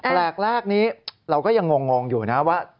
แปลกแรกนี้เราก็ยังงงอยู่นะว่า